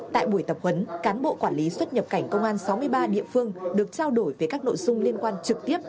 tại buổi tập huấn cán bộ quản lý xuất nhập cảnh công an sáu mươi ba địa phương được trao đổi về các nội dung liên quan trực tiếp